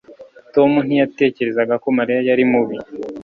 Tom ntiyatekerezaga ko Mariya yari mubi